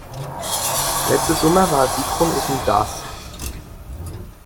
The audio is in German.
Letzten Sommer war Sigrun auf dem Darß.